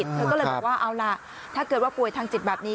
เธอก็เลยบอกว่าเอาล่ะถ้าเกิดว่าป่วยทางจิตแบบนี้